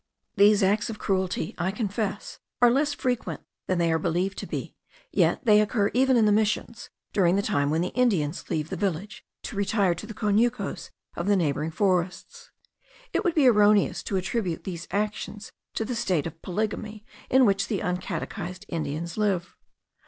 These acts of cruelty, I confess, are less frequent than they are believed to be; yet they occur even in the Missions, during the time when the Indians leave the village, to retire to the conucos of the neighbouring forests. It would be erroneous to attribute these actions to the state of polygamy in which the uncatechized Indians live.